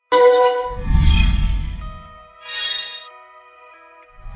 hãy xa khỏi tất cả những hạn thích mà đối diện với chúng ta